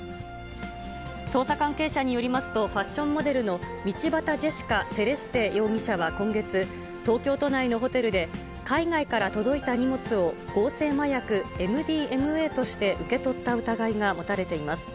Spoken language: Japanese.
捜査関係者によりますと、ファッションモデルの道端ジェシカ・セレステ容疑者は今月、東京都内のホテルで、海外から届いた荷物を合成麻薬ＭＤＭＡとして受け取った疑いが持たれています。